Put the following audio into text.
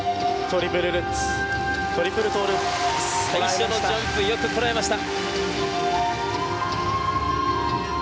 最初のジャンプよくこらえました。